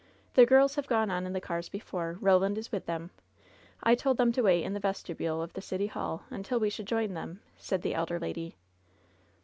"The girls have gone on in the cars before. Eoland is with them. I told them to wait in the vestibule of the City Hall imtil we should join them,'' said the elder lady.